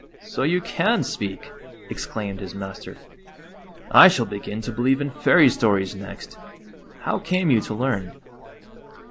"So you can speak!" exclaimed his master. "I shall begin to believe in fairy stories next. How came you to learn